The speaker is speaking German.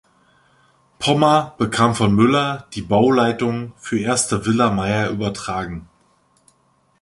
Pommer bekam von Müller die Bauleitung für erste Villa Meyer übertragen.